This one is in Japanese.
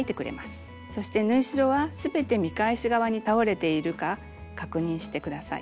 そして縫い代は全て見返し側に倒れているか確認して下さい。